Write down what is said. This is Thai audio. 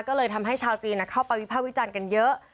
ก็เลยทำให้ชาวจีนเข้าไปวิจันทร์กันเยอะ